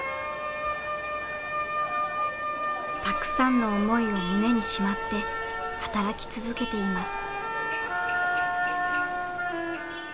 たくさんの思いを胸にしまって働き続けています。